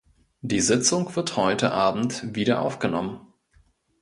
Die Sitzung wird heute abend wiederaufgenommen.